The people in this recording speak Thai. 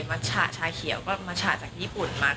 มัชชาเขียวก็มัชฉะจากญี่ปุ่นมา